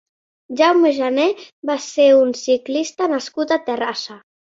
Jaume Janer va ser un ciclista nascut a Terrassa.